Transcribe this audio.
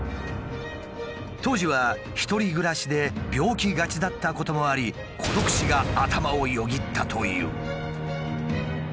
当時は一人暮らしで病気がちだったこともあり孤独死が頭をよぎったという。